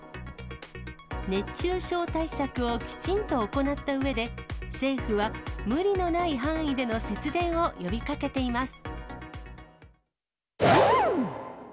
熱中症対策をきちんと行ったうえで、政府は無理のない範囲での節電を呼びかけています。